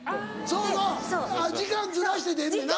そうそう時間ずらして出んねんな。